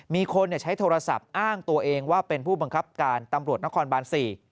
มีคนใช้โทรศัพท์อ้างตัวเองว่าเป็นผู้บังคับการตำรวจนครบาน๔